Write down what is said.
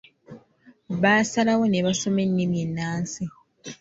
Baasalawo ne basoma ennimi ennansi.